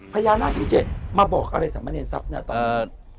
พญานาค๗มาบอกอะไรสำเนินทรัพย์เนี่ยตอนนี้